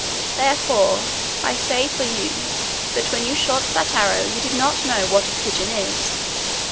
Therefore I say for you that when you shot that arrow you did not know what a pigeon is.